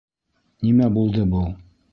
— Нимә булды был?